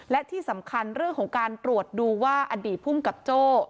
และที่สำคัญเรื่องของการตรวจดูว่าอดีตภูมิกับโจ้